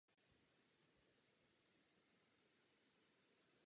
Z toho plyne má prosba o podporu našeho pozměňovacího návrhu.